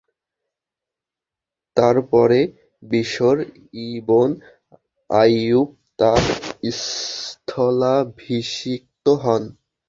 তার পরে বিশর ইবন আইয়ূব তার স্থলাভিষিক্ত হন।